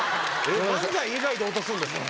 漫才以外で落とすんですか？